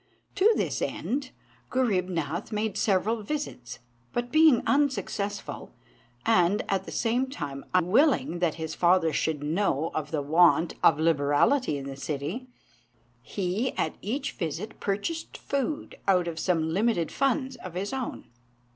To this end Ghurreeb Nath made several visits; but being unsuccessful, and at the same time unwilling that his father should know of the want of liberality in the city, he at each visit purchased food out of some limited funds of his own.